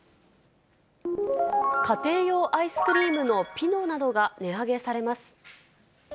家庭用アイスクリームのピノなどが値上げされます。